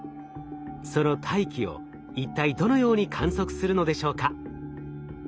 その大気を一体どのように観測するのでしょうか？